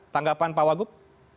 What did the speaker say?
tanggapan pak wak wagub